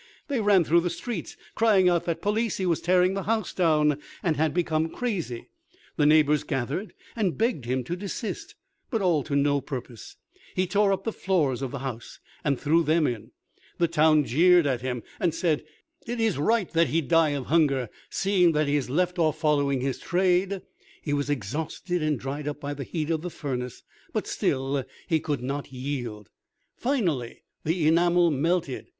They ran through the streets, crying out that Palissy was tearing the house down, and had become crazy. The neighbors gathered, and begged him to desist, but all to no purpose. He tore up the floors of the house, and threw them in. The town jeered at him, and said, "It is right that he die of hunger, seeing that he has left off following his trade." He was exhausted and dried up by the heat of the furnace; but still he could not yield. Finally the enamel melted.